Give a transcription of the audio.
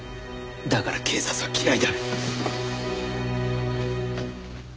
だから警察は嫌いだ。